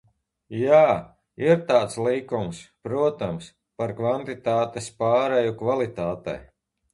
Jā, ir tāds likums, protams, par kvantitātes pāreju kvalitātē.